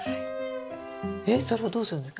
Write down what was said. えっそれをどうするんですか？